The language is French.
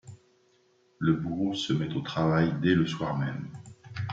Le bourreau se met au travail dès le soir même.